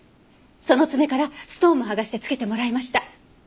その爪からストーンも剥がして付けてもらいました。